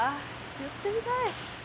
言ってみたい。